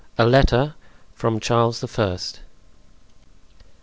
A Letter from Charles the First.